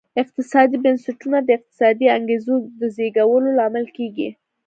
اقتصادي بنسټونه د اقتصادي انګېزو د زېږولو لامل کېږي.